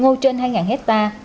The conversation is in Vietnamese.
ngô trên hai hectare